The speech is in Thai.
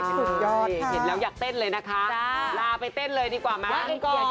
สุดยอดเห็นแล้วอยากเต้นเลยนะคะลาไปเต้นเลยดีกว่ามา